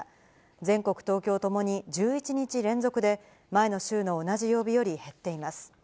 全国、東京ともに、１１日連続で、前の週の同じ曜日より減っています。